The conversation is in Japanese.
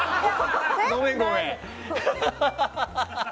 ごめん、ごめん。